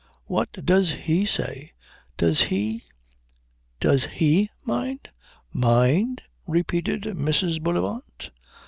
What does he say? Does he does he mind?" "Mind?" repeated Mrs. Bullivant.